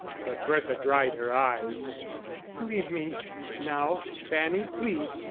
But Bertha dried her eyes. "Leave me now, Fanny, please.